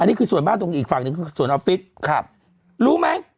อันนี้คือส่วนมากตรงอีกฝั่งหนึ่งคือส่วนออฟฟิศครับรู้ไหม